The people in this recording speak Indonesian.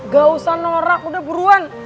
gak usah norak udah buruan